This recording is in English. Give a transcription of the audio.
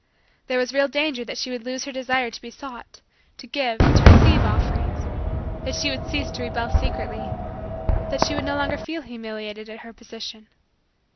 There was real danger that she would lose her desire to be sought, to give, to receive offerings; that she would cease to rebel secretly; that she would no longer feel humiliated at her position.